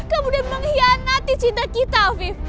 kamu udah mengkhianati cinta kita hafif